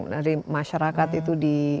dari masyarakat itu